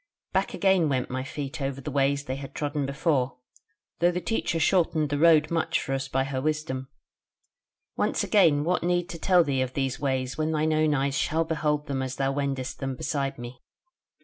"Back again went my feet over the ways they had trodden before, though the Teacher shortened the road much for us by her wisdom. Once again what need to tell thee of these ways when thine own eyes shall behold them as thou wendest them beside me?